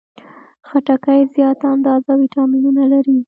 خټکی زیاته اندازه ویټامینونه لري.